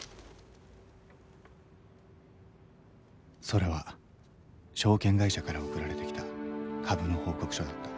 それは証券会社から送られてきた株の報告書だった。